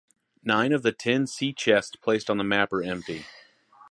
Nine of the ten sea chests placed on the map are empty.